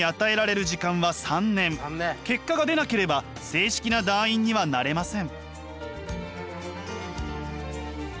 結果が出なければ正式な団員にはなれません。